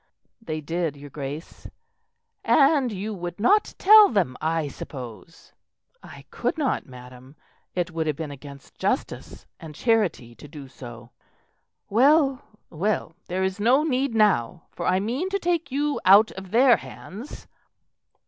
"They did, your Grace." "And you would not tell them, I suppose?" "I could not, madam; it would have been against justice and charity to do so." "Well, well, there is no need now, for I mean to take you out of their hands."